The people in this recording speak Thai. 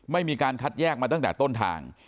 มีการคัดแยกมาตั้งแต่ต้นทาง